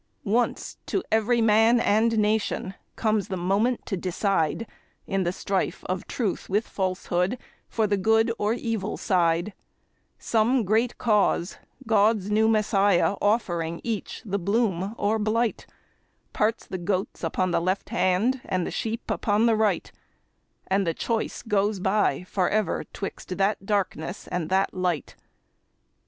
Once to every man and nation comes the moment to decide, In the strife of Truth with Falsehood, for the good or evil side; Some great cause, God's new Messiah, offering each the bloom or blight, Parts the goats upon the left hand, and the sheep upon the right, And the choice goes by forever 'twixt that darkness and that light.